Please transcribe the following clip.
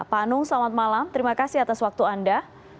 pak anung selamat malam terima kasih atas waktu anda